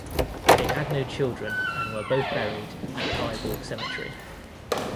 They had no children and were both buried at Viborg Cemetery.